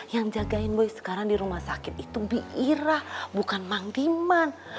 yang jagain boy sekarang di rumah sakit itu biira bukan mang diman